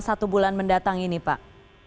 satu bulan mendatang ini pak